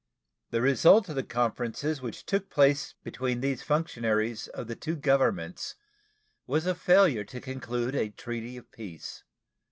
The result of the conferences which took place between these functionaries of the two Governments was a failure to conclude a treaty of peace.